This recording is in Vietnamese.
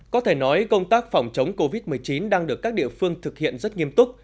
có thể nói công tác phòng chống covid một mươi chín đang được các địa phương thực hiện rất nghiêm túc